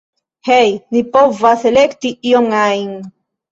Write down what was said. Hej, ni povas elekti ion ajn.